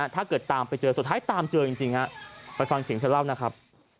ถ้าเกิดตามไปเจอสุดท้ายตามเจอจริงไปฟังเสียงเธอเล่านะครับ